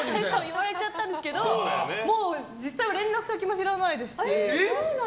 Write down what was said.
言われちゃったんですけど実は連絡先も知らないですし。